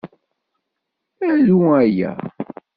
Aru aya.